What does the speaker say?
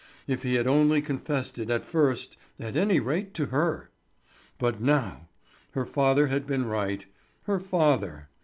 If he had only confessed it at first, at any rate to her! But now! Her father had been right. Her father!